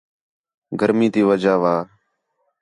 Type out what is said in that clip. گرمی تی وجہ وَا